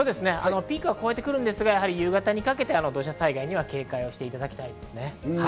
ピークは越えてきますが夕方にかけて土砂災害には警戒していただきたいです。